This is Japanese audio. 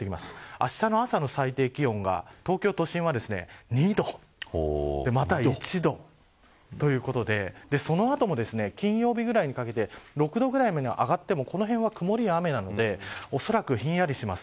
あしたの朝の最低気温が東京都心は２度また１度ということでその後も、金曜日ぐらいにかけて６度ぐらいまで上がってもこの辺は曇りや雨なのでおそらく、ひんやりします。